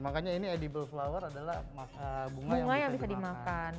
makanya ini edible flower adalah bunga yang bisa dimakan